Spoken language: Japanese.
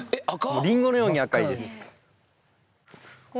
リンゴのように赤いです。